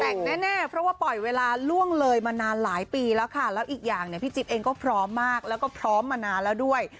แต่งแน่เพราะว่าปล่อยเวลาล่วงเลยมานานหลายปีแล้วค่ะแล้วอีกอย่างเนี่ยพี่จิ๊บเองก็พร้อมมากแล้วก็พร้อมมานานแล้วด้วย